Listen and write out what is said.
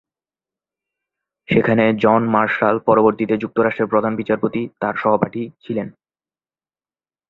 সেখানে John Marshall, পরবর্তীতে যুক্তরাষ্ট্রের প্রধান বিচারপতি, তার সহপাঠী ছিলেন।